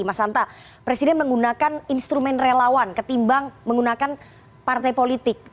mas hanta presiden menggunakan instrumen relawan ketimbang menggunakan partai politik